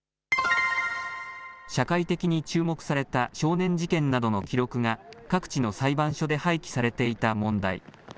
社会的に注目された少年事件などの記録が各地の裁判所で廃棄されていた問題。